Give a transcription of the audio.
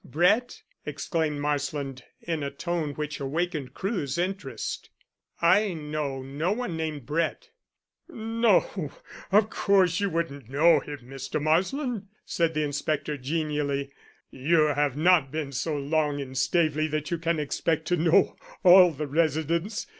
"Brett?" exclaimed Marsland in a tone which awakened Crewe's interest. "I know no one named Brett." "No, of course you wouldn't know him, Mr. Marsland," said the inspector genially. "You have not been so long in Staveley that you can expect to know all the residents.